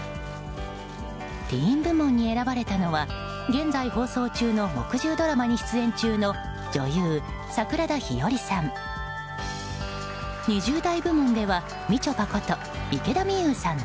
ティーン部門に選ばれたのは現在放送中の木１０ドラマに出演中の女優・桜田ひよりさん。